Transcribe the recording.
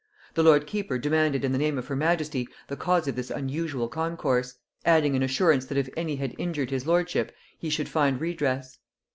The lord keeper demanded in the name of her majesty the cause of this unusual concourse; adding an assurance that if any had injured his lordship, he should find redress.